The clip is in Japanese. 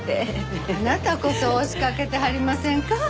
あなたこそ押し掛けてはりませんか？